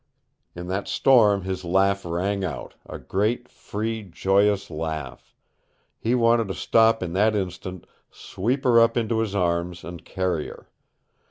In that storm his laugh rang out, a great, free, joyous laugh. He wanted to stop in that instant, sweep her up into his arms, and carry her.